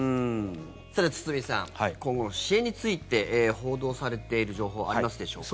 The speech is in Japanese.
さて、堤さん今後の支援について報道されている情報ありますでしょうか。